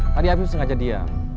apa tadi afif sengaja diam